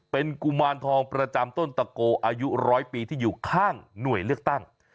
เป็นกุมารทองประจำต้นตะโกอายุร้อยปีที่อยู่ข้างหน่วยเลือกตั้ง